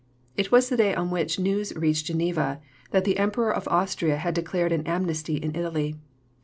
It was the day on which the news reached Geneva that the Emperor of Austria had declared an amnesty in Italy.